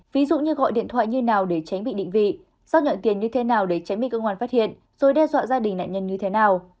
ví dụ như gọi điện thoại như thế nào để tránh bị định vị giao nhận tiền như thế nào để tránh bị cơ quan phát hiện rồi đe dọa gia đình nạn nhân như thế nào